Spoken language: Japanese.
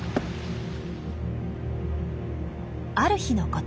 ある日のこと。